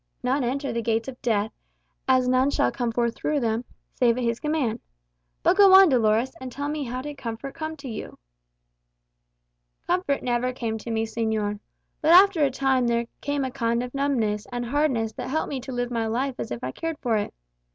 "None enter the gates of death, as none shall come forth through them, save at his command. But go on, Dolores, and tell me how did comfort come to you?" "Comfort never came to me, señor. But after a time there came a kind of numbness and hardness that helped me to live my life as if I cared for it.